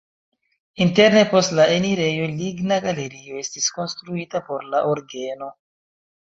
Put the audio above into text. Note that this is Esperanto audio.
Interne post la enirejo ligna galerio estis konstruita por la orgeno.